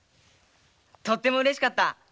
とてもうれしかった。